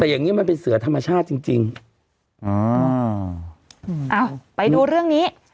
แต่อย่างงี้มันเป็นเสือธรรมชาติจริงจริงอ๋ออ่าไปดูเรื่องนี้